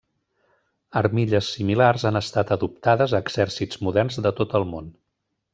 Armilles similars han estat adoptades a exèrcits moderns de tot el món.